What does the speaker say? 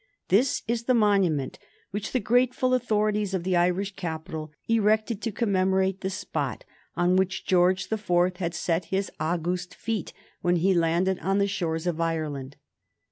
This is the monument which the grateful authorities of the Irish capital erected to commemorate the spot on which George the Fourth had set his august feet when he landed on the shores of Ireland.